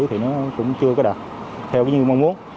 thì nó cũng chưa có đạt theo như mong muốn